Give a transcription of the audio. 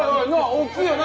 大きいよな？